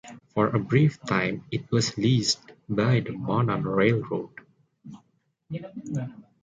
For a brief time it was leased by the Monon Railroad.